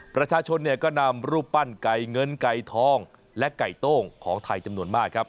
ประชาชนเนี่ยก็นำรูปปั้นไก่เงินไก่ทองและไก่โต้งของไทยจำนวนมากครับ